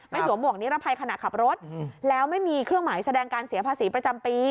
สวมหวกนิรภัยขณะขับรถแล้วไม่มีเครื่องหมายแสดงการเสียภาษีประจำปี